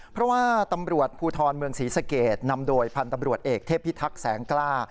เพราะว่าตำรวจภูทรเมืองศรีสเกตนำโดยพันธ์ตำรวจเอกเทพิทักษ์แสงกล้า